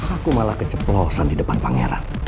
aku malah keceplosan di depan pangeran